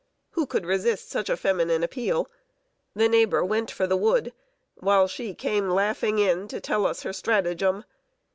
Who could resist such a feminine appeal? The neighbor went for the wood, while she came laughing in, to tell us her stratagem.